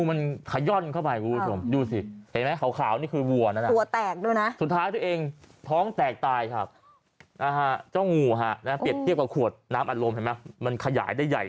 มันขยายได้ใหญ่ขนาดนี้คุณผู้ชมนะฮะ